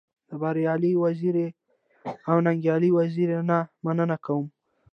د بريالي وزيري او ننګيالي وزيري نه مننه کوم.